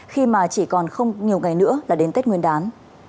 khi mà chỉ còn không nhiều ngày nữa là đến tết nguyên đán